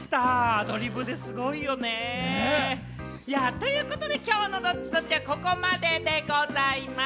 アドリブですごいよね。ということで今日のＤｏｔｔｉ‐Ｄｏｔｔｉはここまででございます。